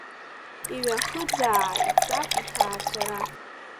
Иҩахыӡаа ицап иҭаацәара.